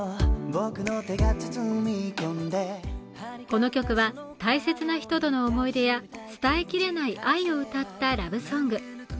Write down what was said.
この曲は大切な人との思い出や伝えきれない愛を歌ったラブソング。